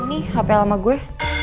ini hp lama gue